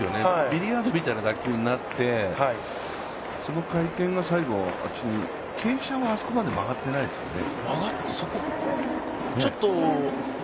ビリヤードみたいな打球になってその回転が、傾斜はあそこまで曲がっていないですよね。